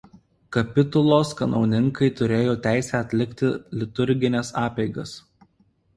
Kapitulos kanauninkai turėjo teisę atlikti liturgines apeigas.